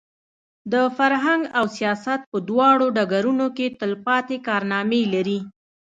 د فرهنګ او سیاست په دواړو ډګرونو کې تلپاتې کارنامې لري.